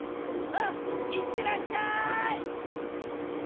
「うんいってらっしゃい！」。